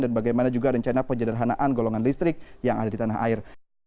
dan bagaimana juga rencana penjadahanaan golongan listrik yang ada di tanah air